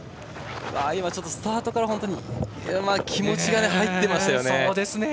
今、ちょっとスタートから気持ちが入っていましたね。